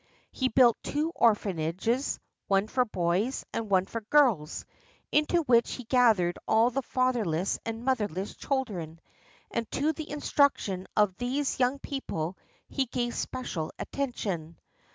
He built two orphanages, one for boys and one for girls, into which he gathered all the fatherless and motherless children; and to the instruction of these young people he gave special attention.